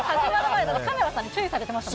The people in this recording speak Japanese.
カメラさんに注意されてた。